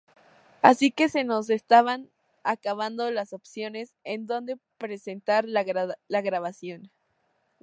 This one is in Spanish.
Así que se nos estaban acabando las opciones en dónde presentar la grabación.